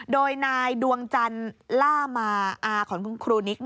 โดยนายดวงจันทร์ล่ามาอาของคุณครูนิก